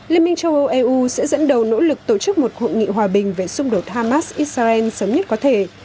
liên minh châu âu eu sẽ dẫn đầu nỗ lực tổ chức một hội nghị hòa bình về xung đột hamas israel sớm nhất có thể